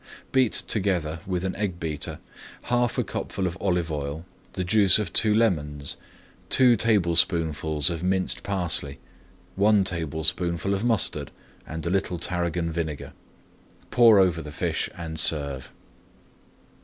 Beat together with an egg beater half a cupful of olive oil, the juice of two lemons, two tablespoonfuls of minced parsley, one tablespoonful of mustard, and a little tarragon vinegar. Pour over the fish and serve.